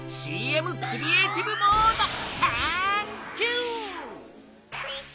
ＣＭクリエイティブモード！タンキュー！